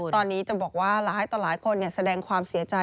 ตอนนี้จะบอกว่าหลายต่อหลายคนแสดงความเสียใจ